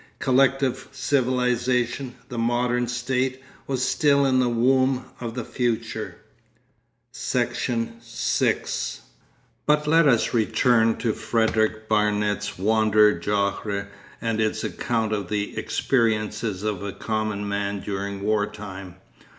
Collective civilisation, the 'Modern State,' was still in the womb of the future.... Section 6 But let us return to Frederick Barnet's Wander Jahre and its account of the experiences of a common man during the war time.